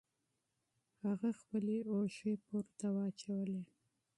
هغه خپلې اوژې پورته واچولې.